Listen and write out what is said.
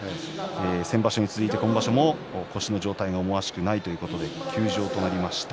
先場所に続いて今場所も腰の状態が思わしくないということで休場となりました。